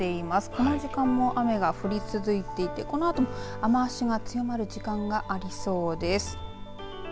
この時間も雨が降り続いていてこのあとも雨足が強まる時間がありそうです。